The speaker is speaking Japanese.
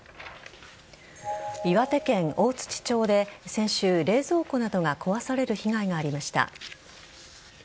岩手県大槌町で先週冷蔵庫などが壊される被害がありました。